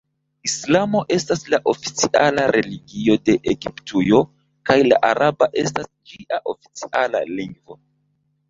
Islamo estas la oficiala religio de Egiptujo kaj la araba estas ĝia oficiala lingvo.